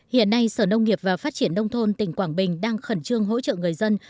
hiện nay sở nông nghiệp và phát triển nông thôn tỉnh quảng bình đang khẩn trương hỗ trợ người dân